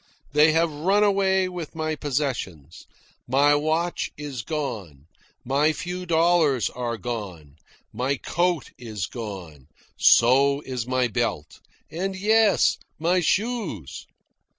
They have run away with my possessions. My watch is gone. My few dollars are gone. My coat is gone. So is my belt. And yes, my shoes.